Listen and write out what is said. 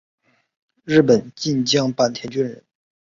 日本近江坂田郡人。